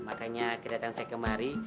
makanya kedatangan saya kemari